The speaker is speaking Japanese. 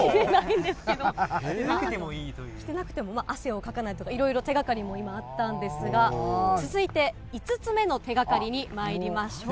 着てなくても、汗をかかないとか、いろいろ手がかりも今、あったんですが、続いて、５つ目の手がかりにまいりましょう。